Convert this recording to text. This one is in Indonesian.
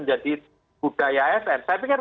menjadi budaya asn saya pikir